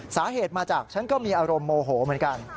สาเหตุมาจากฉันก็มีอารมณ์โมโหเหมือนกัน